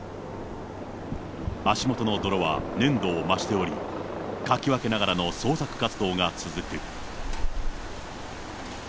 足元の泥は粘度を増しており、かき分けながらの捜索活動が続く。